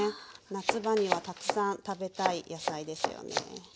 夏場にはたくさん食べたい野菜ですよね。